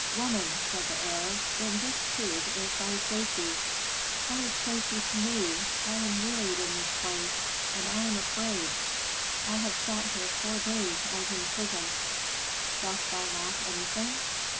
"Woman," said the heir, "in this tube is thy safety." "What is safety to me? I am wearied in this place, and I am afraid. I have sat here four days as in prison." "Dost thou lack anything?"